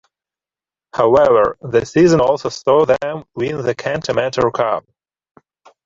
However, the season also saw them win the Kent Amateur Cup.